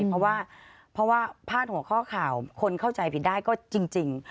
เพราะว่าเพราะว่าพาดหัวข้อข่าวคนเข้าใจผิดได้ก็จริง